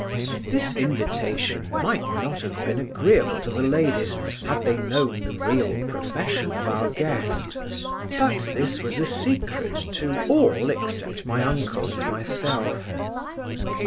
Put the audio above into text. This invitation might not have been agreeable to the ladies, had they known the real profession of our guest, but this was a secret to all, except my uncle and myself.